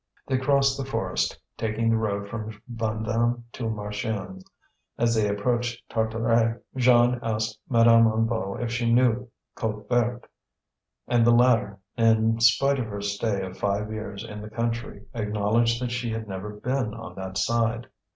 They crossed the forest, taking the road from Vandame to Marchiennes. As they approached Tartaret, Jeanne asked Madame Hennebeau if she knew Côte Verte, and the latter, in spite of her stay of five years in the country, acknowledged that she had never been on that side.